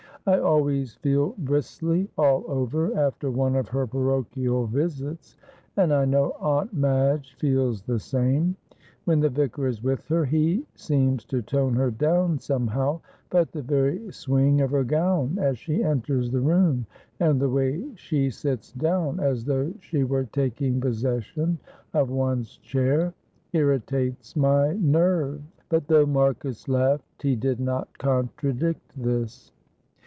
I always feel bristly all over after one of her parochial visits, and I know Aunt Madge feels the same. When the vicar is with her he seems to tone her down somehow, but the very swing of her gown as she enters the room, and the way she sits down, as though she were taking possession of one's chair, irritates my nerves," but though Marcus laughed he did not contradict this.